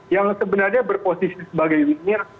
yang sebenarnya berposisi sebagai wimir